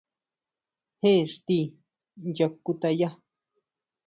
¿Jé íxti incha kutayá?